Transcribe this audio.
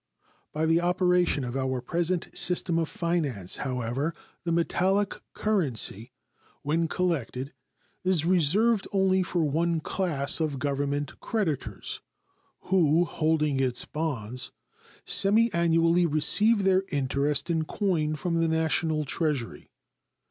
By the operation of our present system of finance, however, the metallic currency, when collected, is reserved only for one class of Government creditors, who, holding its bonds, semiannually receive their interest in coin from the National Treasury.